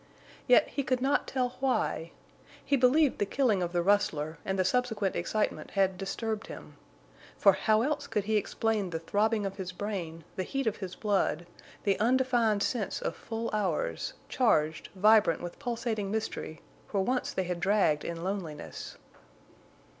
Yet he could not tell why. He believed the killing of the rustler and the subsequent excitement had disturbed him. For how else could he explain the throbbing of his brain, the heat of his blood, the undefined sense of full hours, charged, vibrant with pulsating mystery where once they had dragged in loneliness?